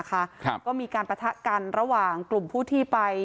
ก็มีการปะทะกันระหว่างกลุ่มผู้ที่ไป